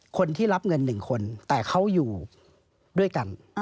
คนที่รับเงิน๑คนแต่เขาอยู่ด้วยกัน